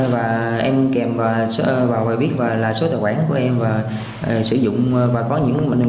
và một số hình ảnh của nhà tỉnh